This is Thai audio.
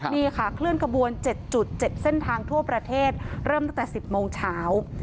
นี่ค่ะเคลื่อนกระบวนเจ็ดจุดเจ็ดเส้นทางทั่วประเทศเริ่มตั้งแต่สิบโมงเฉา